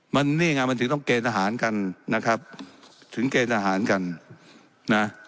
มันนี่ไงมันถึงต้องเกณฑ์ทหารกันนะครับถึงเกณฑ์ทหารกันนะ